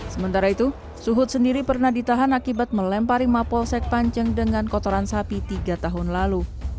sementara itu suhut sendiri pernah ditahan akibat melempari mapolsek panceng dengan kotoran sapi tiga tahun lalu